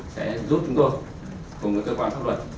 sẽ giúp chúng tôi cùng với cơ quan pháp luật